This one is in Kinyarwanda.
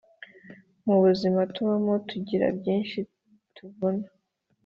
mubuzima tubamo tugira byinshi bituvuna